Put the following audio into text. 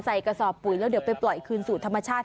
กระสอบปุ๋ยแล้วเดี๋ยวไปปล่อยคืนสู่ธรรมชาติ